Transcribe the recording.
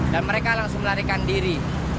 dan mereka langsung larikan diri